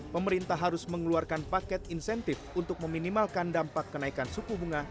pemerintah harus mengeluarkan paket insentif untuk meminimalkan dampak kenaikan suku bunga